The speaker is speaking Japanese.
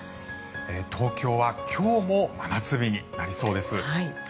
東京は今日も真夏日になりそうです。